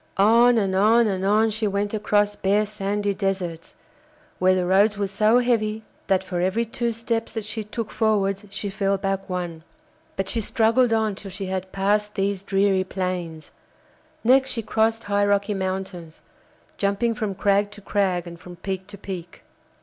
On and on and on she went across bare sandy deserts, where the roads were so heavy that for every two steps that she took forwards she fell back one; but she struggled on till she had passed these dreary plains; next she crossed high rocky mountains, jumping from crag to crag and from peak to peak.